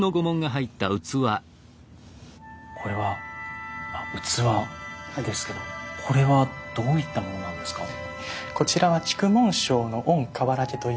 これは器ですけどもこれはどういったものなんですか？